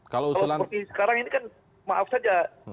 kalau seperti sekarang ini kan maaf saja